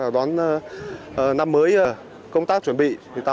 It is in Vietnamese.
đón năm mới